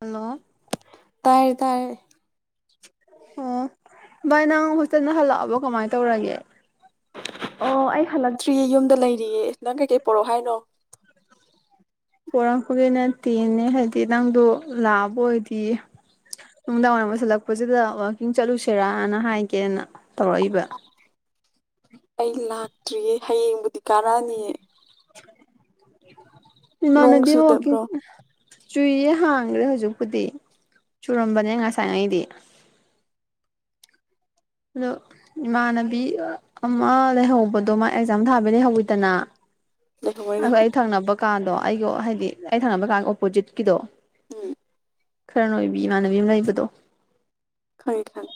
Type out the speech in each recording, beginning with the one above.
Hello ꯇꯥꯏ ꯇꯥꯏ ꯑꯣ ꯚꯥꯏ ꯅꯪ ꯍꯣꯁꯇꯦꯜꯗ ꯍꯜꯂꯛꯑꯕ ꯀꯃꯥꯏꯅ ꯇꯧꯔꯒꯦ? ꯑꯣ ꯑꯩ ꯍꯜꯂꯛꯇ꯭ꯔꯤꯌꯦ ꯌꯨꯝꯗ ꯂꯩꯔꯤꯌꯦ ꯅꯪ ꯀꯩꯀꯩ ꯄꯣꯔꯛꯑꯣ ꯍꯥꯏꯅꯣ? ꯄꯣꯔꯛꯄꯒꯤꯅ ꯇꯦꯟꯅ ꯍꯥꯏꯗꯤ ꯅꯪꯗꯣ ꯂꯥꯛꯑꯕ ꯑꯣꯏꯗꯤ ꯅꯨꯡꯗꯥꯡ ꯋꯥꯏꯔꯝ ꯑꯣꯏꯁꯜꯂꯛꯄꯁꯤꯗ ꯋꯥꯛꯀꯤꯡ ꯆꯠꯂꯨꯁꯦꯔꯅ ꯍꯥꯏꯒꯦꯅ ꯇꯧꯔꯛꯏꯕ꯫ ꯑꯩ ꯂꯥꯛꯇ꯭ꯔꯤꯌꯦ ꯍꯌꯦꯡꯕꯨꯗꯤ ꯀꯥꯔꯛꯑꯅꯤꯌꯦ ꯅꯣꯡ ꯏꯃꯥꯟꯅꯗꯤ ꯋꯥꯛꯀꯤꯡ ꯆꯨꯗꯕ꯭ꯔꯣ ꯆꯨꯏꯌꯦ ꯍꯥꯡꯈ꯭ꯔꯦ ꯍꯧꯖꯤꯛꯄꯨꯗꯤ ꯆꯨꯔꯝꯕꯅꯦ ꯉꯁꯥꯏꯉꯩꯗꯤ ꯑꯗꯣ ꯏꯃꯥꯟꯅꯕꯤ ꯑꯃ ꯂꯩꯍꯧꯕꯗꯣ ꯃꯥ ꯑꯦꯛꯖꯥꯝ ꯊꯥꯕ ꯂꯩꯍꯧꯋꯤꯗꯅ ꯂꯩꯍꯧꯋꯦ ꯂꯩꯍꯧꯋꯦ ꯑꯩ ꯊꯪꯅꯕ ꯀꯥꯗꯣ ꯑꯩꯒꯣ ꯍꯥꯏꯗꯤ ꯑꯩ ꯊꯪꯅꯕ ꯀꯥꯒꯤ ꯑꯣꯄꯣꯖꯤꯠꯀꯤꯗꯣ ꯎꯝ ꯈꯔꯅ ꯅꯣꯏꯕꯤ ꯏꯃꯥꯟꯅꯕꯤ ꯑꯃ ꯂꯩꯕꯗꯣ ꯈꯪꯉꯦ ꯈꯪꯉꯦ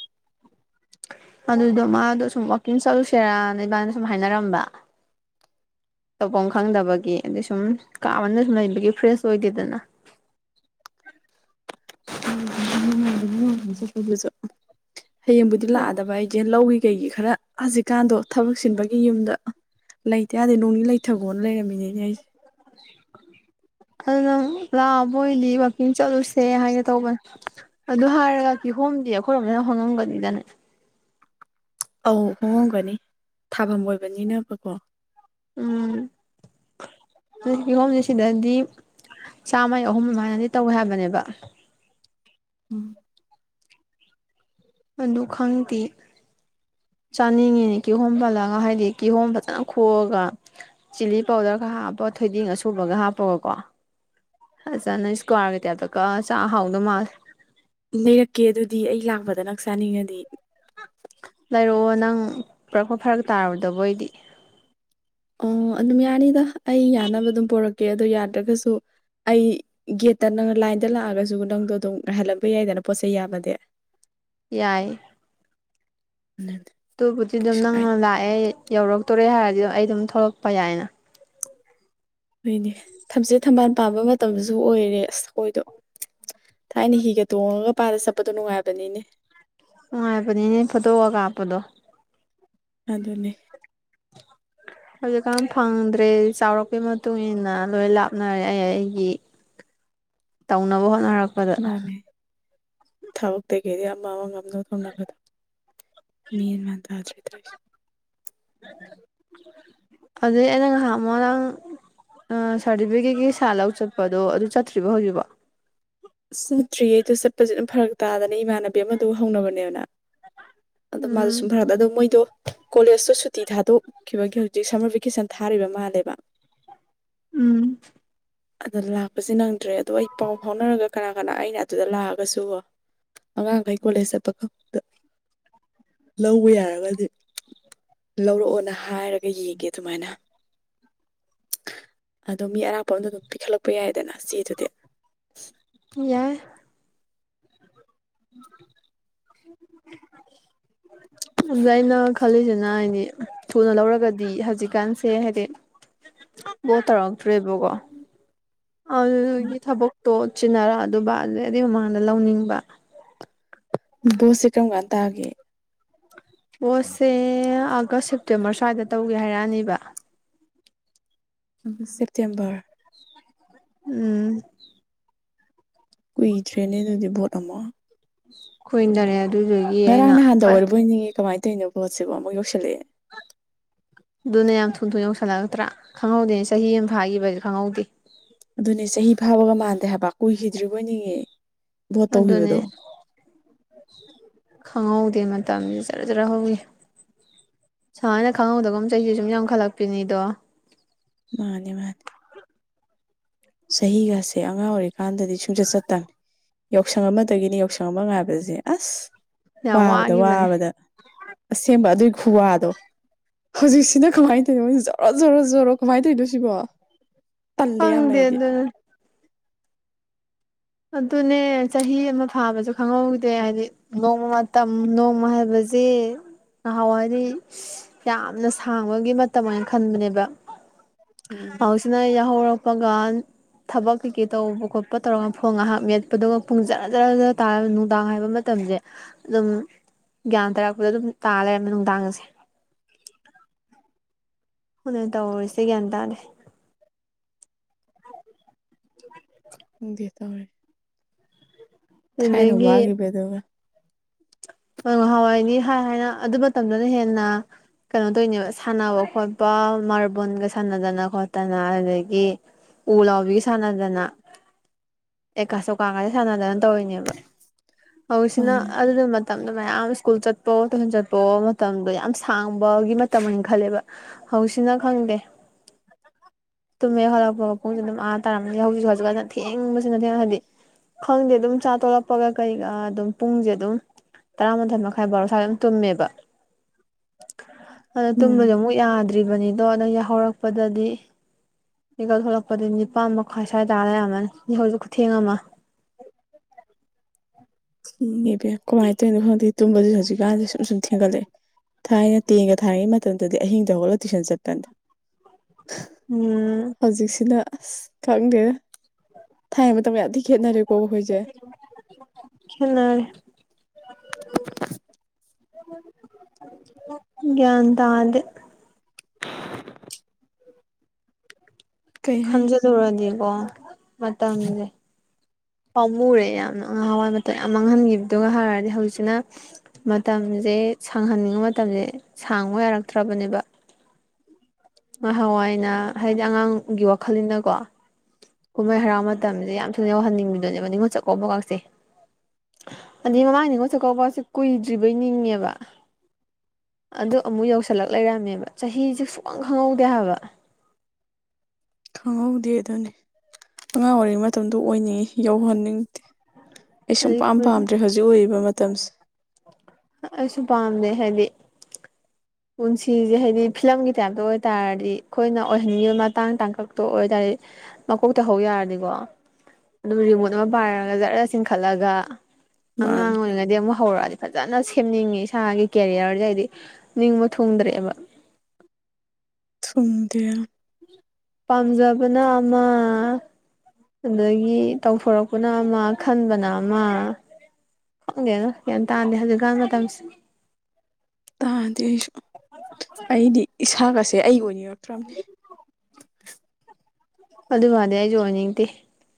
ꯑꯗꯨꯗꯣ ꯃꯥꯗꯣ ꯁꯨꯝ ꯋꯥꯛꯀꯤꯡ ꯆꯠꯂꯨꯁꯦꯔꯥꯅ ꯏꯕꯥꯟꯅꯤ ꯁꯨꯝ ꯍꯥꯏꯅꯔꯝꯕ ꯇꯧꯐꯝ ꯈꯪꯗꯕꯒꯤ ꯑꯗꯣ ꯁꯨꯝ ꯀꯥ ꯃꯅꯨꯡꯗ ꯁꯨꯝ ꯂꯩꯕꯒꯤ ꯐ꯭ꯔꯦꯁ ꯑꯣꯏꯗꯦꯗꯅ ꯎꯝ [inaudible] ꯑꯝ ꯍꯌꯦꯡꯕꯨꯗꯤ ꯂꯥꯛꯑꯗꯕ ꯑꯩ ꯂꯧꯒꯤ ꯀꯩꯒꯤ ꯈꯔ ꯍꯧꯖꯤꯛꯀꯥꯟꯗꯣ ꯊꯕꯛ ꯆꯤꯟꯕꯒꯤ ꯌꯨꯝꯗ ꯂꯩꯇꯦ ꯌꯥꯗꯦ ꯅꯣꯡꯅꯤ ꯂꯩꯊꯒꯣꯅ ꯂꯩꯔꯝꯃꯤꯅꯦ ꯑꯩꯁꯦ ꯑꯗꯨ ꯅꯪ ꯂꯥꯛꯕꯣꯏꯗꯤ ꯋꯥꯛꯀꯤꯡ ꯆꯠꯂꯨꯁꯦ ꯍꯥꯏꯒꯦ ꯇꯧꯕꯅꯦ ꯑꯗꯨ ꯍꯥꯏꯔꯒ ꯀꯤꯍꯣꯝꯗꯤ ꯑꯩꯈꯣꯏꯔꯣꯝꯗ ꯍꯣꯡꯉꯝꯒꯅꯤꯗꯅ ꯑꯧ ꯍꯣꯡꯍꯝꯒꯅꯤ ꯊꯥꯐꯝ ꯑꯣꯏꯕꯅꯤꯅꯕꯀꯣ ꯎꯝ ꯑꯗꯨ ꯀꯥꯍꯣꯝꯁꯦ ꯁꯤꯗꯗꯤ ꯆꯥꯝꯃꯩ ꯑꯍꯨꯝ ꯑꯗꯨꯃꯥꯏꯅꯗꯤ ꯇꯧꯋꯦ ꯍꯥꯏꯕꯅꯦꯕ ꯎꯝ ꯑꯗꯨ ꯈꯪꯗꯦ ꯆꯥꯅꯤꯡꯉꯤꯅꯦ ꯀꯤꯍꯣꯝ ꯄꯜꯂꯒ ꯍꯥꯏꯗꯤ ꯀꯤꯍꯣꯝ ꯐꯖꯅ ꯈꯣꯛꯑꯒ ꯆꯤꯂꯤ ꯄꯥꯎꯗꯔ ꯈꯔ ꯍꯥꯞꯄ ꯊꯣꯏꯗꯤꯡ ꯑꯁꯨꯕꯒ ꯍꯥꯞꯄꯒꯀꯣ ꯐꯖꯅ ꯏꯁꯀ꯭ꯋꯥꯔꯒꯤ ꯇꯥꯏꯞꯇ ꯀꯥꯛꯑꯒ ꯆꯥ ꯍꯥꯎꯗꯧ ꯃꯥꯜꯂꯦ ꯂꯩꯔꯛꯀꯦ ꯑꯗꯨꯗꯤ ꯑꯩ ꯂꯥꯛꯄꯗ ꯅꯪ ꯆꯥꯅꯤꯡꯉꯗꯤ ꯂꯩꯔꯛꯑꯣ ꯅꯪ ꯄꯨꯔꯛꯄ ꯐꯔꯛ ꯇꯥꯔꯣꯏꯗꯕ ꯑꯣꯏꯗꯤ ꯑꯣ ꯑꯗꯨꯝ ꯌꯥꯅꯤꯗ ꯑꯩ ꯌꯥꯅꯕ ꯑꯗꯨꯝ ꯄꯣꯔꯛꯀꯦ ꯑꯗꯣ ꯌꯥꯗ꯭ꯔꯒꯁꯨ ꯑꯩ ꯒꯦꯠꯇ ꯅꯪ ꯂꯥꯏꯟꯗ ꯂꯥꯛꯑꯒꯁꯨ ꯅꯪꯗꯣ ꯑꯗꯨꯝ ꯉꯥꯏꯍꯟꯂꯝꯕ ꯌꯥꯏꯗꯅ ꯄꯣꯠ ꯆꯩꯩ ꯌꯥꯝꯃꯥꯗꯤ ꯌꯥꯏ ꯎꯝ [inaudible] ꯑꯗꯨꯕꯨꯗꯤ ꯑꯗꯨꯝ ꯅꯪꯅ ꯂꯥꯛꯑꯦ ꯌꯧꯔꯛꯇꯣꯔꯦ ꯍꯥꯏꯔꯗꯤ ꯑꯩ ꯑꯗꯨꯝ ꯊꯣꯛꯂꯛꯄ ꯌꯥꯏꯅ ꯍꯣꯏꯅꯦ ꯊꯝꯆꯦꯠ ꯊꯝꯕꯥꯜ ꯄꯥꯟꯕ ꯃꯇꯝꯁꯨ ꯑꯣꯏꯔꯦ ꯑꯁ ꯈꯣꯏꯗꯣ ꯊꯥꯏꯅ ꯍꯤꯒ ꯇꯣꯡꯉꯒ ꯄꯥꯠꯇ ꯆꯠꯄꯗꯣ ꯅꯨꯡꯉꯥꯏꯕꯅꯤꯅꯦ ꯅꯨꯡꯉꯥꯏꯕꯅꯤꯅꯦ ꯐꯣꯇꯣꯒ ꯀꯥꯞꯄꯗꯣ ꯑꯗꯨꯅꯦ ꯍꯧꯖꯤꯛꯀꯥꯟ ꯐꯪꯗ꯭ꯔꯦ ꯆꯥꯎꯔꯛꯄꯩ ꯃꯇꯨꯡ ꯏꯟꯅ ꯂꯣꯏ ꯂꯥꯞꯅꯔꯦ ꯑꯩ ꯑꯩꯒꯤ ꯇꯧꯅꯕ ꯍꯣꯠꯅꯔꯛꯄ ꯃꯥꯅꯦ ꯊꯕꯛꯇꯩ ꯀꯩꯗꯩ ꯑꯃ ꯑꯃ ꯉꯝꯅꯕ ꯊꯧꯅꯕꯗꯣ ꯃꯤ ꯏꯟꯃꯥꯟ ꯇꯥꯗ꯭ꯔꯦ ꯇꯧꯏꯁꯦ ꯑꯗꯨꯗꯩ ꯑꯩꯅ ꯉꯥꯍꯥꯟꯃꯨꯛ ꯅꯪ ꯁꯥꯔꯇꯤꯐꯤꯀꯦꯠꯀꯤ ꯁꯥ ꯂꯧ ꯆꯠꯄꯗꯣ ꯑꯗꯨ ꯆꯠꯇ꯭ꯔꯤꯕꯣ ꯍꯧꯖꯤꯛꯐꯥꯎ ꯆꯠꯇ꯭ꯔꯤꯌꯦ ꯑꯗꯣ ꯆꯠꯄꯁꯦ ꯑꯗꯨꯝ ꯐꯔꯛ ꯇꯥꯗꯅ ꯏꯃꯥꯟꯅꯕꯤ ꯑꯃꯗꯨ ꯍꯧꯅꯕꯅꯦ ꯑꯗꯣ ꯃꯥꯗꯣ ꯁꯨꯝ ꯐꯔꯛ ꯑꯗꯣ ꯃꯣꯏꯗꯣ ꯀꯣꯂꯦꯖꯇꯣ ꯁꯨꯇꯤ ꯊꯥꯗꯣꯛꯈꯤꯕꯒꯤ ꯍꯧꯖꯤꯛ ꯁꯝꯃꯔ ꯚꯦꯀꯦꯁꯟ ꯊꯥꯔꯤꯕ ꯃꯥꯜꯂꯦꯕ ꯎꯝ ꯑꯗ ꯂꯥꯛꯄꯁꯤ ꯅꯪꯗ꯭ꯔꯦ ꯑꯗꯣ ꯑꯩ ꯄꯥꯎ ꯐꯥꯎꯅꯔꯒ ꯀꯅꯥ ꯀꯅꯥ ꯑꯩꯅ ꯑꯗꯨꯗ ꯂꯥꯛꯑꯒꯁꯨ ꯑꯉꯥꯡꯈꯩ ꯀꯣꯂꯦꯖ ꯆꯠꯄ ꯈꯛꯇ ꯂꯧꯕ ꯌꯥꯔꯒꯗꯤ ꯂꯧꯔꯛꯑꯣꯅ ꯍꯥꯏꯔꯒ ꯌꯦꯡꯒꯦ ꯑꯗꯨꯃꯥꯏꯅ ꯑꯗꯣ ꯃꯤ ꯑꯔꯥꯛꯄ ꯑꯃꯗ ꯑꯗꯨꯝ ꯄꯤꯈꯠꯂꯛꯄ ꯌꯥꯏꯗꯅ ꯆꯦꯗꯨꯗꯤ ꯌꯥꯏ ꯑꯩꯅ ꯈꯜꯂꯤꯁꯤꯅ ꯍꯥꯏꯗꯤ ꯊꯨꯅ ꯂꯧꯔꯒꯗꯤ ꯍꯧꯖꯤꯛꯀꯥꯟꯁꯦ ꯍꯥꯏꯗꯤ ꯕꯣꯠ ꯇꯧꯔꯛꯇ꯭ꯔꯦꯕꯀꯣ ꯑꯗꯨꯗꯨꯒꯤ ꯊꯕꯛꯇꯣ ꯆꯤꯟꯅꯔꯛ ꯑꯗꯨꯕ ꯑꯗꯨ ꯑꯗꯨ ꯃꯃꯥꯡꯗ ꯂꯧꯅꯤꯡꯕ ꯕꯣꯠꯁꯤ ꯀꯔꯝ ꯀꯥꯟ ꯇꯥꯒꯦ ꯚꯣꯠꯁꯦ ꯑꯥꯒꯁ ꯁꯦꯞꯇꯦꯝꯕꯔ ꯁ꯭ꯋꯥꯏꯗ ꯇꯧꯒꯦ ꯍꯥꯏꯔꯛꯑꯅꯦꯕ ꯁꯦꯞꯇꯦꯝꯕꯔ ꯎꯝ ꯀꯨꯏꯗ꯭ꯔꯦꯅꯦ ꯑꯗꯨꯗꯤ ꯕꯣꯠ ꯑꯃ ꯈꯣꯏꯗꯔꯦ ꯑꯗꯨꯁꯨ ꯉꯔꯥꯡ ꯅꯍꯥꯟꯗ ꯑꯣꯏꯔꯕꯣꯏꯅꯤꯉꯤ ꯀꯃꯥꯏ ꯇꯧꯔꯤꯅꯣ ꯕꯣꯇꯁꯤꯕꯨ ꯑꯃꯨꯛ ꯌꯧꯁꯜꯂꯛꯑꯦ ꯑꯗꯨꯅꯦ ꯌꯥꯝ ꯊꯨ ꯊꯨꯅ ꯌꯧꯁꯜꯂꯛꯇ꯭ꯔꯥ ꯈꯪꯍꯧꯗꯦꯅꯦ ꯆꯍꯤ ꯑꯃ ꯐꯥꯈꯤꯕꯁꯨ ꯈꯪꯍꯧꯗꯦ ꯑꯗꯨꯅꯦ ꯆꯍꯤ ꯐꯥꯕꯒ ꯃꯥꯟꯗꯦ ꯍꯥꯏꯕ ꯀꯨꯏꯈꯤꯗ꯭ꯔꯤꯕꯣꯏꯅꯤꯡꯉꯦ ꯑꯗꯨꯅꯦ ꯈꯪꯍꯧꯗꯦ ꯃꯇꯝꯁꯦ ꯖꯔ ꯖꯔ ꯍꯧꯈꯤ ꯁꯨꯝꯃꯍꯥꯏꯅ ꯈꯪꯍꯧꯗꯒꯨꯝ ꯆꯩꯁꯨ ꯁꯨꯝ ꯌꯥꯝꯈꯠꯂꯛꯄꯤꯅꯤꯗꯣ ꯃꯥꯅꯦ ꯃꯥꯅꯤ ꯆꯍꯤꯒꯁꯦ ꯑꯉꯥꯡ ꯑꯣꯏꯔꯤꯀꯥꯟꯗꯗꯤ ꯁꯨꯡꯆꯠ ꯆꯠꯇꯕꯅꯦ ꯌꯥꯎꯁꯪ ꯑꯃꯗꯒꯤꯅꯦ ꯌꯥꯎꯁꯪ ꯑꯃ ꯉꯥꯏꯕꯁꯦ ꯑꯁ ꯌꯥꯝ ꯋꯥꯕꯗ ꯋꯥꯈꯤꯕꯅꯦ ꯋꯥꯕꯗ ꯑꯁꯦꯡꯕ ꯑꯗꯨꯏ ꯈꯨꯋꯥꯗꯣ ꯍꯧꯖꯤꯛꯁꯤꯅ ꯀꯃꯥꯏꯅ ꯇꯧꯔꯤꯅꯣ ꯃꯣꯏ ꯖꯔꯣ ꯖꯣꯔꯣ ꯖꯣꯔꯣ ꯀꯃꯥꯏꯅ ꯇꯧꯔꯤꯅꯣ ꯁꯤꯕꯣ ꯇꯜꯂꯦ ꯌꯥꯝ ꯈꯪꯗꯦ ꯑꯩꯗꯤ ꯑꯗꯨꯅ ꯑꯗꯨꯅꯦ ꯆꯍꯤ ꯑꯃ ꯐꯥꯕꯁꯨ ꯈꯪꯍꯧꯗꯦ ꯍꯥꯏꯗꯤ ꯅꯣꯡꯃ ꯃꯇꯝ ꯅꯣꯡꯃ ꯍꯥꯏꯕꯁ ꯅꯍꯥꯟꯋꯥꯗꯤ ꯌꯥꯝꯅ ꯁꯥꯡꯕꯒꯤ ꯃꯇꯝꯅ ꯈꯟꯕꯅꯦꯕ ꯎꯝ ꯍꯧꯖꯤꯛꯁꯤꯅ ꯌꯥꯍꯧꯔꯛꯄꯒ ꯊꯕꯛ ꯀꯩꯀꯩ ꯇꯧꯕ ꯈꯣꯠꯄ ꯇꯧꯔ ꯐꯣꯟ ꯉꯥꯏꯍꯥꯛ ꯃꯦꯠꯄꯗꯨꯒ ꯄꯨꯡ ꯖꯔ ꯖꯔ ꯖꯔ ꯇꯥꯔ ꯅꯨꯡꯗꯥꯡ ꯍꯥꯏꯕ ꯃꯇꯝꯁꯦ ꯑꯗꯨꯝ ꯒ꯭ꯌꯥꯟ ꯇꯥꯔꯛꯄꯗ ꯑꯗꯨꯝ ꯇꯥ ꯂꯩꯔꯝꯃꯦ ꯅꯨꯡꯗꯥꯡ ꯒꯥꯁꯦ ꯇꯧꯔꯤꯁꯦ ꯒ꯭ꯌꯥꯟ ꯇꯥꯗꯦ ꯎ ꯗꯦ ꯇꯔꯦ [unintelligible] ꯊꯥꯏꯅ ꯑꯗꯨꯗꯒꯤ ꯋꯥꯒꯤꯕꯗꯨꯒ ꯍꯣꯏ ꯅꯍꯥꯟꯋꯥꯏꯗꯤ ꯍꯥꯏ ꯍꯥꯏꯅ ꯑꯗꯨ ꯃꯇꯝꯗꯅ ꯍꯦꯟꯅ ꯀꯩꯅꯣ ꯇꯧꯅꯦꯕ ꯁꯥꯟꯅꯕ ꯈꯣꯠꯄ ꯃꯥꯔꯕꯜꯒ ꯁꯥꯟꯅꯗꯅ ꯈꯣꯠꯇꯅ ꯑꯗꯨꯗꯒꯤ ꯎꯂꯥꯎꯕꯤꯒ ꯁꯥꯟꯅꯗꯅꯥ ꯑꯦ ꯀꯥ ꯁꯣꯛꯀꯒꯁꯦ ꯁꯥꯟꯅꯗꯅ ꯇꯧꯔꯤꯅꯦꯕ ꯍꯧꯖꯤꯛꯁꯤꯅ ꯃꯥꯅꯦ ꯑꯗꯨꯗ ꯃꯇꯝꯗ ꯃꯌꯥꯝ ꯁ꯭ꯀꯨꯜ ꯆꯠꯄꯑꯣ ꯇꯨꯏꯁꯟ ꯆꯠꯄꯑꯣ ꯃꯇꯝꯗꯣ ꯌꯥꯝ ꯁꯥꯡꯕꯒꯤ ꯃꯇꯝ ꯈꯜꯂꯦꯕ ꯍꯧꯁꯤꯅꯥ ꯈꯪꯗꯦ ꯇꯨꯝ ꯍꯦꯛ ꯍꯧꯠꯂꯛꯄꯒ ꯄꯨꯡꯁꯦ ꯑꯗꯨꯝ ꯑꯥ ꯇꯥꯔꯝꯅꯤ ꯍꯧꯖꯤꯛꯁꯨ ꯍꯧꯖꯤꯛ ꯍꯥꯟꯅ ꯊꯦꯡꯕꯁꯤꯅ ꯊꯦꯡꯅ ꯍꯥꯏꯗꯤ ꯈꯪꯗꯦ ꯑꯗꯨꯝ ꯆꯥꯛ ꯇꯣꯛꯂꯛꯄꯒ ꯀꯩꯒ ꯑꯗꯨꯝ ꯄꯨꯡꯁꯦ ꯑꯗꯨꯝ ꯇꯔꯥꯃꯥꯊꯣꯏ ꯃꯈꯥꯏ ꯕꯥꯥꯔꯣ ꯁ꯭ꯋꯥꯏ ꯑꯗꯨꯝ ꯇꯨꯝꯃꯦꯕ ꯑꯗꯨ ꯎꯝ ꯇꯨꯝꯕꯁꯨ ꯌꯥꯗ꯭ꯔꯤꯕꯅꯤꯗꯣ ꯅꯪ ꯌꯥꯍꯧꯔꯛꯄꯗꯗꯤ ꯃꯤꯀꯄ ꯊꯣꯛꯂꯛꯄꯗꯤ ꯅꯤꯄꯥꯥꯟ ꯃꯈꯋꯥ ꯁꯋꯥꯏ ꯇꯔꯥ ꯂꯩꯔꯝꯃꯅꯤ ꯋꯥꯍꯧꯁꯤ ꯈꯨꯊꯦꯡ ꯑꯃ꯫ ꯈꯪꯗꯦ ꯏꯕꯦꯝ ꯀꯃꯥꯏꯅ ꯇꯧꯔꯤꯅꯣ ꯈꯪꯗꯦ ꯇꯨꯝꯕꯁꯨ ꯍꯧꯖꯤꯛꯀꯥꯟꯁꯦ ꯁꯨꯝ ꯁꯨꯝ ꯊꯦꯡꯒꯠꯂꯛꯑꯦ꯫ ꯊꯥꯏꯅ ꯇꯦꯟ ꯒ ꯊꯥꯏꯔꯤꯉꯩ ꯃꯇꯝꯗꯗꯤ ꯑꯍꯤꯡꯗ ꯍꯧꯒꯠꯂꯒ ꯇꯨꯏꯁꯟ ꯆꯠꯄꯅꯤ꯫ ꯎꯝ ꯍꯧꯖꯤꯛꯁꯤꯅ ꯑꯁ ꯈꯪꯗꯦꯗ ꯊꯥꯏꯅ ꯃꯇꯝꯒ ꯌꯥꯝꯊꯤ ꯈꯦꯠꯅꯔꯦꯀꯣ ꯑꯩꯈꯣꯏꯁꯦ ꯈꯦꯠꯅꯔꯦ ꯒꯌ꯭ꯥꯟ ꯇꯥꯗꯦ ꯀꯩ ꯍꯥꯏꯅꯣ ꯈꯟꯖꯟꯂꯨꯔꯗꯤꯀꯣ ꯃꯇꯝꯖꯦ ꯄꯥꯝꯃꯨꯔꯦ ꯌꯥꯝꯅ ꯉꯥꯍꯥꯟꯋꯥꯏ ꯃꯇ ꯌꯥꯝ ꯃꯥꯡꯍꯟꯈꯤꯕꯗꯨꯒ ꯍꯥꯏꯔꯨꯔꯗꯤ ꯍꯧꯖꯤꯛꯁꯤꯅ ꯃꯇꯝꯁꯦ ꯁꯥꯡꯍꯟꯅꯤꯡꯕ ꯃꯇꯝꯁꯦ ꯁꯥꯡꯕ ꯌꯥꯔꯛꯇ꯭ꯔꯕꯅꯦꯕ ꯉꯥꯍꯥꯟꯋꯥꯏꯅ ꯍꯥꯏꯗꯤ ꯑꯉꯥꯡꯒꯤ ꯋꯥꯈꯜꯅꯤꯅꯀꯣ ꯀꯨꯝꯍꯩ ꯍꯔꯥꯎ ꯃꯇꯝꯁꯦ ꯌꯥꯝ ꯊꯨꯅ ꯌꯧꯍꯟꯅꯤꯡꯕꯤꯗꯤꯅꯦꯕ ꯅꯤꯡꯉꯣꯜ ꯆꯥꯛꯀꯧꯕꯒꯥꯛꯁꯦ꯫ ꯑꯗꯩ ꯃꯃꯥꯡꯅꯤꯉꯣꯜ ꯆꯥꯛꯀꯧꯕꯁꯤ ꯀꯨꯏꯗ꯭ꯔꯤ ꯕꯣꯏ ꯅꯤꯡꯉꯦꯕ꯫ ꯑꯗꯨ ꯑꯃꯨꯛ ꯌꯧꯁꯤꯜꯂꯛ ꯂꯩꯔꯝꯃꯦꯕ ꯆꯍꯤꯁꯦ ꯁꯨꯛꯈꯪ ꯈꯪꯍꯧꯗꯦ ꯍꯥꯏꯕ꯫ ꯈꯪꯍꯧꯗꯦ ꯑꯗꯨꯅꯤ ꯑꯉꯥꯡ ꯑꯣꯏꯔꯤꯉꯩ ꯃꯇꯝꯗꯣ ꯑꯣꯏꯅꯤꯡꯉꯤ ꯌꯧꯍꯟꯅꯤꯡꯗꯦ ꯑꯩ ꯁꯨꯝ ꯑꯗꯩ ꯄꯥꯝ ꯄꯥꯝꯗ꯭ꯔꯦ ꯍꯧꯖꯤꯛ ꯑꯣꯏꯔꯤꯕ ꯃꯇꯝꯁꯤ꯫ ꯑꯩꯁꯨ ꯄꯥꯝꯗꯦ ꯍꯥꯏꯗꯤ ꯄꯨꯟꯁꯤꯁꯦ ꯍꯥꯏꯗꯤ ꯐꯤꯂꯝꯒꯤ ꯇꯥꯏꯞꯇ ꯑꯣꯏ ꯇꯔꯗꯤ ꯑꯩꯈꯣꯏꯅ ꯑꯣꯏꯍꯟꯉꯤꯕ ꯃꯇꯥꯡ ꯇꯥꯡꯀꯛꯇ ꯑꯣꯏ ꯇꯔꯗꯤ ꯃꯀꯣꯛꯇ ꯍꯧ ꯌꯥꯔꯗꯤꯀꯣ ꯑꯗꯨꯝ ꯔꯤꯃꯣꯠ ꯑꯃ ꯄꯥꯏꯔꯒ ꯖꯔ ꯆꯤꯡꯈꯠꯂꯒ ꯑꯉꯥꯡ ꯃꯥꯅꯤ ꯑꯣꯏꯔꯤꯉꯩꯗꯤ ꯑꯃꯨꯛ ꯍꯧꯔꯛꯑꯗꯤ ꯐꯖꯅ ꯁꯦꯝꯅꯤꯡꯉꯤ ꯏꯁꯥꯒꯤ ꯀꯦꯔꯤꯌꯔꯁꯦ ꯍꯥꯏꯗꯤ ꯅꯤꯡꯕ ꯊꯨꯡꯗ꯭ꯔꯦꯕ ꯊꯨꯡꯗꯦ ꯄꯥꯝꯖꯕꯅ ꯑꯃ ꯑꯗꯒꯤ ꯇꯧꯊꯣꯔꯛꯄꯅ ꯑꯃ ꯈꯟꯕꯅ ꯑꯃ꯫ ꯈꯪꯗꯦꯗꯥ ꯒꯌ꯭ꯥꯟ ꯇꯥꯗꯦ ꯍꯧꯖꯤꯛꯀꯥꯟ ꯃꯇꯝꯁꯤ꯫ ꯇꯥꯗꯦ ꯑꯩꯁꯨ ꯑꯩꯗꯤ ꯏꯁꯥꯒꯁꯦ ꯑꯩ ꯑꯣꯏꯅꯤꯡꯉꯛꯇ꯭ꯔꯕꯅꯤ꯫ ꯑꯗꯨ ꯃꯥꯗꯤ ꯑꯩꯁꯨ ꯑꯣꯏꯅꯤꯡꯗꯦ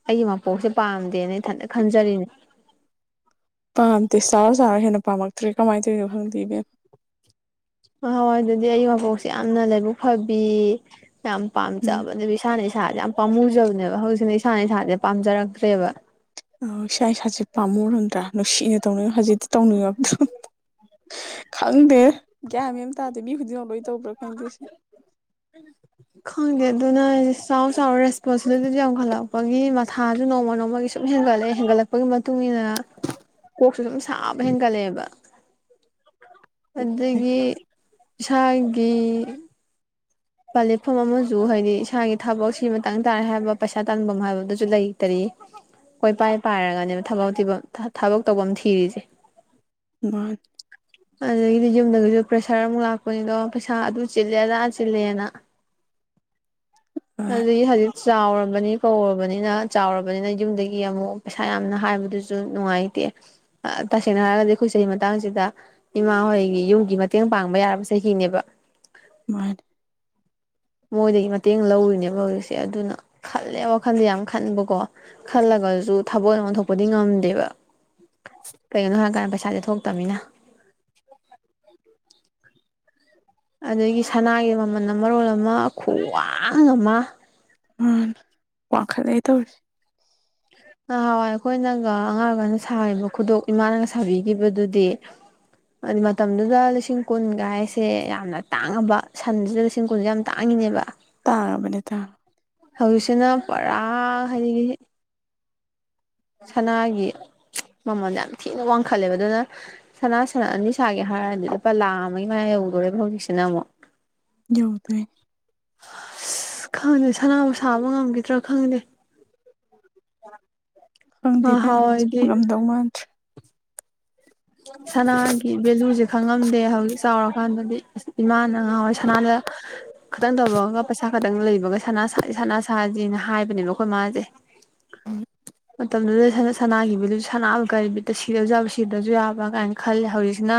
ꯑꯩꯒꯤ ꯃꯄꯣꯛꯁꯦ ꯄꯥꯝꯗꯦꯅ ꯑꯩꯊꯟꯅ ꯈꯟꯖꯔꯤꯅꯦ꯫ ꯄꯥꯝꯗꯦ ꯆꯥꯎꯔ ꯆꯥꯎꯔ ꯍꯦꯟꯅ ꯄꯥꯝꯃꯛꯇ꯭ꯔꯦ ꯀꯃꯥꯏꯅ ꯇꯧꯔꯤꯅꯣ ꯈꯪꯗꯦ ꯏꯕꯦꯃ ꯫ ꯅꯍꯥꯟꯋꯥꯏ ꯑꯗꯨꯗꯤ ꯑꯩ ꯃꯕꯣꯛꯁꯦ ꯌꯥꯝꯅ ꯂꯥꯏꯕꯛ ꯐꯕꯤ ꯌꯥꯝ ꯎꯝ ꯄꯥꯝꯖꯕ ꯏꯁꯥꯅ ꯏꯁꯥꯥꯁꯦ ꯌꯥꯝ ꯄꯥꯝꯃꯨꯖꯕꯅꯦꯕ ꯍꯧꯖꯤꯛꯅ ꯏꯁꯥꯅ ꯏꯁꯥꯁꯦ ꯄꯥꯝꯖꯔꯛꯇ꯭ꯔꯦꯕ꯫ ꯑ ꯏꯁꯥ ꯏꯁꯥꯁꯦ ꯄꯥꯝꯃꯧꯔꯝꯗ꯭ꯔꯥ ꯅꯨꯡꯁꯤꯅ ꯇꯧꯅꯤꯡ ꯍꯧꯖꯤꯛꯇꯤ ꯇꯧꯅꯤꯡꯉꯛꯇ꯭ꯔꯦ꯫ ꯈꯪꯗꯦ ꯒꯌ꯭ꯥꯟ ꯃꯦꯟ ꯇꯥꯗꯦ ꯃꯤ ꯈꯨꯗꯤꯡꯃꯛ ꯂꯣꯏ ꯇꯧꯕ꯭ꯔꯥ ꯈꯪꯗꯦ ꯁꯤ꯫ [unintelligible] ꯈꯪꯗꯦ ꯑꯗꯨꯅ ꯍꯥꯏ ꯆꯥꯎ ꯆꯥꯎ ꯔꯦꯁꯄꯣꯟꯁꯤꯕꯤꯂꯤꯇꯤꯁꯨ ꯌꯥꯝꯈꯠꯂꯛꯄꯒꯤ ꯃꯊꯥꯁꯨ ꯅꯣꯡꯃ ꯅꯣꯡꯃꯒꯤ ꯁꯨꯝ ꯍꯦꯟꯒꯠꯂꯛꯑꯦ ꯍꯦꯟꯒꯠꯂꯛꯄꯒꯤ ꯃꯇꯨꯡ ꯏꯟꯅ ꯀꯣꯛꯁꯨ ꯁꯨꯝ ꯁꯥꯕ ꯍꯦꯟꯒꯠꯂꯛꯑꯦꯕ꯫ ꯃꯥꯅꯤ ꯑꯗꯒꯤ ꯏꯁꯥꯒꯤ ꯄꯂꯤꯐꯝ ꯑꯃꯁꯨ ꯍꯥꯏꯗꯤ ꯏꯁꯥꯒꯤ ꯊꯕꯛꯁꯤ ꯃꯇꯥꯡ ꯇꯥꯔꯦ ꯍꯥꯏꯕ ꯄꯩꯁꯥ ꯇꯥꯟꯐꯝ ꯍꯥꯏꯕꯗꯨꯁꯨ ꯂꯩꯇꯔꯤ꯫ ꯀꯣꯏ ꯄꯥꯏ ꯄꯥꯏꯔꯒꯅꯦꯕ ꯊꯕꯛ ꯊꯤꯕꯝ ꯊꯕꯛ ꯇꯧꯐꯝ ꯊꯤꯔꯤꯁꯦ꯫ [unintelligible] ꯑꯗꯨꯗꯒꯤꯗꯤ ꯌꯨꯝꯗꯒꯤꯁꯨ ꯄ꯭ꯔꯦꯁꯔ ꯑꯃꯨꯛ ꯂꯥꯛꯄꯅꯤꯗꯣ ꯄꯩꯁꯥ ꯑꯗꯨ ꯆꯤꯜꯂꯦ ꯑꯗꯥ ꯆꯤꯜꯂꯦꯅ꯫ [unintelligible] ꯆꯥꯎꯔꯕꯅꯤ ꯀꯧꯔꯕꯅꯤꯅ ꯆꯥꯎꯔꯕꯅꯤꯅ ꯌꯨꯝꯗꯒꯤ ꯑꯃꯨꯛ ꯄꯩꯁꯥ ꯌꯥꯝꯅ ꯍꯥꯏꯕꯗꯨꯁꯨ ꯅꯨꯡꯉꯥꯏꯇꯦ꯫ ꯇꯁꯦꯡꯅ ꯍꯥꯏꯔꯒꯗꯤ ꯑꯩꯈꯣꯏ ꯆꯍꯤ ꯃꯇꯥꯡꯁꯤꯗ ꯏꯃꯥ ꯍꯣꯏꯒꯤ ꯌꯨꯝꯒꯤ ꯃꯇꯦꯡ ꯄꯥꯡꯕ ꯌꯥꯔꯕ ꯆꯍꯤꯅꯦꯕ꯫ ꯃꯥꯅꯦ ꯃꯣꯏꯗꯒꯤ ꯃꯇꯦꯡ ꯂꯧꯔꯤꯅꯦꯕ ꯍꯧꯖꯤꯛꯁꯦ ꯑꯗꯨꯅ ꯈꯜꯂꯦ ꯋꯥꯈꯜꯁ ꯌꯥꯝ ꯈꯟꯕꯀꯣ ꯈꯜꯂꯒꯁꯨ ꯊꯥꯕꯛ ꯑꯣꯏꯅ ꯑꯣꯟꯊꯣꯛꯄꯗꯤ ꯉꯝꯗꯦꯕ꯫ ꯀꯒꯤꯅꯣ ꯍꯥꯏꯀꯥꯟ ꯄꯩꯁꯥꯖꯦ ꯊꯣꯛꯇꯝꯅꯤꯅ ꯑꯗꯒꯤ ꯁꯅꯥꯒꯤ ꯃꯃꯜ ꯃꯔꯣꯜ ꯑꯃ ꯈ꯭ꯋꯥꯡ ꯑꯃ ꯎꯝ ꯋꯥꯡꯈꯠꯂꯦ ꯇꯧꯔꯤꯁꯦ ꯅꯍꯥꯟꯋꯥꯏ ꯑꯩꯈꯣꯏꯅꯒ ꯑꯉꯥꯡ ꯑꯣꯢꯔꯤꯀꯥꯟꯗ ꯁꯥꯒꯤꯕ ꯈꯨꯗꯣꯞ ꯏꯃꯥꯅꯒ ꯁꯥꯕꯤꯒꯤꯕꯗꯨꯗꯤ ꯍꯥꯏꯗꯤ ꯃꯇꯝꯗꯨꯗ ꯂꯤꯁꯤꯡ ꯀꯨꯟꯒ ꯍꯥꯏꯁꯦ ꯌꯥꯝꯅ ꯇꯥꯡꯉꯝꯕ ꯁꯟꯁꯤꯗ ꯂꯤꯁꯤꯡ ꯀꯨꯟꯖꯦ ꯌꯥꯝ ꯇꯥꯡꯉꯤꯅꯦꯕ ꯇꯥꯡꯉꯕꯅꯦ ꯇꯥꯡ ꯍꯧꯖꯤꯛꯁꯤꯅ ꯄꯔꯥ ꯍꯥꯏꯗꯤ ꯁꯅꯥꯒꯤ ꯃꯃꯜ ꯌꯥꯝ ꯊꯤꯅ ꯋꯥꯡꯈꯠꯂꯦꯕ ꯑꯗꯨꯅ ꯁꯅꯥ ꯁꯟ ꯑꯅꯤ ꯁꯥꯒꯦ ꯍꯥꯏꯔꯗꯤ ꯂꯨꯄꯥ ꯂꯥ ꯑꯃꯒꯤ ꯃꯌꯥ ꯌꯧꯗꯣꯔꯦꯕ ꯍꯧꯖꯤꯛꯁꯤꯅ ꯑꯃꯨꯛ ꯌꯧꯗꯦ ꯑꯁ ꯈꯪꯗꯦ ꯁꯅꯥꯕꯨ ꯁꯥꯕ ꯉꯝꯈꯤꯗ꯭ꯔꯥ ꯈꯪꯗꯦ [inaudible] ꯈꯪꯗꯦ ꯢꯕꯦꯝꯃꯥ ꯉꯍꯥꯟꯋꯥꯏꯗꯤ ꯉꯝꯗꯧ ꯃꯥꯟꯗ꯭ꯔꯦ ꯁꯅꯥꯒꯤ ꯚꯦꯂꯨꯖꯦ ꯈꯪꯉꯝꯗꯦ ꯍꯧꯖꯤꯛ ꯆꯥꯎꯔꯀꯥꯟꯗꯗꯤ ꯑꯁ ꯏꯃꯥꯅ ꯅꯍꯥꯟꯋꯥꯏ ꯁꯅꯥꯗ ꯈꯤꯇꯪ ꯇꯧꯕꯒ ꯄꯩꯁꯥ ꯈꯇꯪ ꯂꯩꯕꯒ ꯁꯅꯥ ꯁꯥꯖꯦ ꯁꯅꯥ ꯁꯥꯖꯦꯅ ꯍꯥꯏꯕꯅꯦꯕ ꯑꯩꯈꯣꯏ ꯃꯥꯖꯦ ꯃꯇꯝꯗꯨꯗ ꯁꯅꯥꯒꯤ ꯚꯦꯂꯨꯁꯦ ꯁꯅꯥꯕꯨ ꯀꯩ ꯕꯤꯠꯇ ꯁꯤꯔꯁꯨ ꯌꯥꯕ ꯁꯤꯗ꯭ꯔꯁꯨ ꯌꯥ ꯕ ꯀꯥꯏꯅ ꯈꯜꯂꯦ ꯍꯧꯖꯤꯛꯁꯤꯅ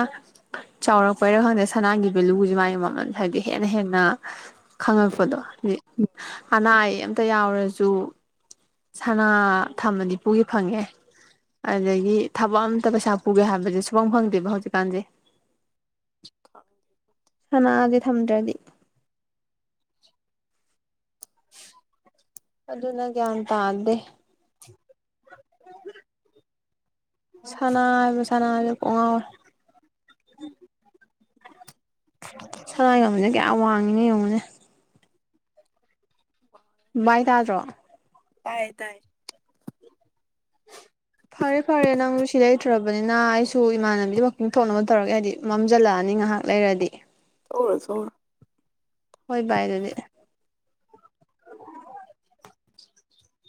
ꯆꯥꯎꯔꯛꯄꯩꯔꯥ ꯈꯪꯗꯦ ꯁꯅꯥꯟꯒꯤ ꯚꯦꯂꯨꯁꯦ ꯃꯥꯒꯤ ꯃꯃꯜ ꯍꯥꯏꯕꯗꯤ ꯍꯦꯟꯅ ꯍꯦꯟꯅ ꯈꯪꯉꯛꯄꯗꯣꯗꯤ ꯑꯅꯥ ꯑꯌꯦꯛ ꯑꯝꯇ ꯌꯥꯎꯔꯁꯨ ꯁꯅꯥ ꯊꯝꯃꯗꯤ ꯄꯨꯒꯦ ꯐꯪꯉꯦ ꯑꯗꯒꯤ ꯊꯕꯛ ꯑꯝꯇ ꯄꯩꯁꯥ ꯄꯨꯒꯦ ꯍꯥꯏꯕ ꯁꯨꯐꯪ ꯐꯪꯗꯦꯕ ꯍꯧꯖꯤꯛ ꯀꯥꯟꯖꯦ [unintelligible] ꯁꯅꯥꯖꯦ ꯊꯝꯗ꯭ꯔꯗꯤ [unintelligible] ꯑꯗꯨꯅ ꯒ꯭ꯌꯥꯟ ꯇꯥꯗꯦ ꯁꯅꯥ ꯍꯥꯏꯕ ꯁꯅꯥꯖꯦ ꯀꯣꯡ ꯉꯥꯎꯔꯦ ꯁꯅꯥꯏ ꯃꯃꯜꯖꯦ ꯀꯌꯥꯝ ꯋꯥꯡꯉꯤꯅꯣ ꯌꯦꯡꯉꯨꯅꯦ ꯃꯥꯏ ꯇꯥꯗ꯭ꯔꯣ ꯇꯥꯏꯌꯦ ꯇꯥꯏ ꯐꯔꯦ ꯐꯔꯦ ꯅꯪꯖꯨ ꯁꯤ ꯂꯩꯇ꯭ꯔꯕꯅꯤꯅ ꯑꯩꯁꯨ ꯏꯃꯥꯟꯅꯕꯤꯗ ꯋꯥꯛꯀꯤꯡ ꯊꯣꯛꯅꯕ ꯇꯧꯔꯒꯦ ꯍꯥꯏꯗꯤ ꯃꯝꯖꯜꯂꯛꯑꯅꯤ ꯉꯥꯍꯥꯛ ꯂꯩꯔꯗꯤ [inaudible] ꯊꯣꯛꯎꯔꯣ ꯊꯣꯛꯎꯔꯣ ꯍꯣꯏ ꯚꯥꯏ ꯑꯗꯨꯗꯤ